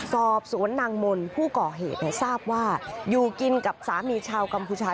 สอบสวนนางมนต์ผู้ก่อเหตุทราบว่าอยู่กินกับสามีชาวกัมพูชา